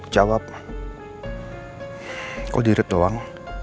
jawab call dirip doang